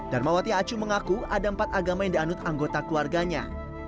darmawati acu mengaku ada empat agama yang dianut anggota keluarganya